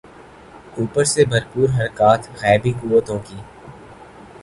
اوپر سے بھرپور حرکات غیبی قوتوں کی۔